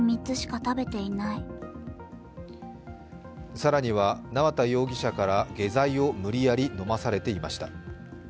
更には、縄田容疑者から下剤を無理やり飲まされていました。